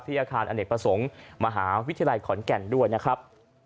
อาคารอเนกประสงค์มหาวิทยาลัยขอนแก่นด้วยนะครับ